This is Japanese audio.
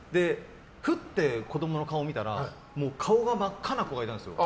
ふって、子供の顔見たらもう顔が真っ赤な子がいたんです。